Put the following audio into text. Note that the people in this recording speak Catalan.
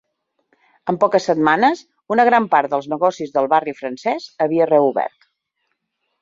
En poques setmanes, una gran part dels negocis del Barri Francès havia reobert.